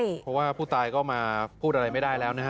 เพราะว่าผู้ตายก็มาพูดอะไรไม่ได้แล้วนะฮะ